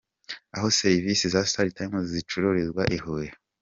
Aho serivisi za StarTimes zicururizwa i Huye.